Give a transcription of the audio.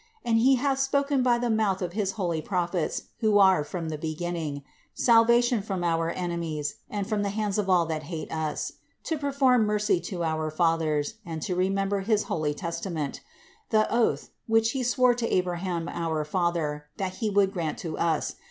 And he hath spoken by the mouth of his holy prophets, who are from the beginning; 71. Salvation from our enemies, and from the hands of all that hate us : 72. To perform mercy to our fathers, and to re member his holy testament, 73. The oath, which he swore to Abraham our father, that he would grant to us, 74.